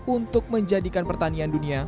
untuk menjadikan pertanian dunia